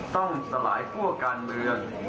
ต้องสลายพวกการเมือง